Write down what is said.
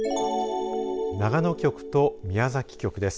長野局と宮崎局です。